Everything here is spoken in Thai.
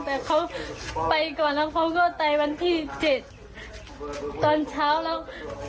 แต่เขาไปก่อนแล้วเขาก็ไปวันที่๗ตอนเช้าแล้ว